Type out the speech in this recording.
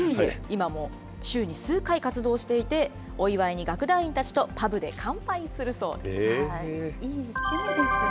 今も週に数回活動していて、お祝いに楽団員たちとパブで乾杯するそうです。